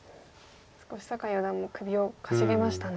少し酒井四段も首をかしげましたね。